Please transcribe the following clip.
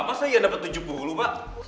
masa iyan dapet tujuh puluh pak